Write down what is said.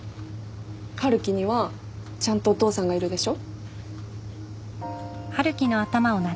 春樹にはちゃんとお父さんがいるでしょ？